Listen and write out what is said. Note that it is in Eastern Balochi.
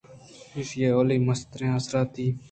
ایشی ءِ اولی مستریں آسراتی